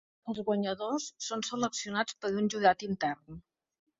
Els guanyadors són seleccionats per un jurat intern.